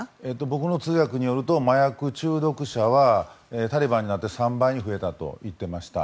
僕の通訳によると麻薬中毒者はタリバンになって３倍に増えたと言っていました。